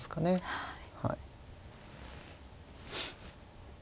はい。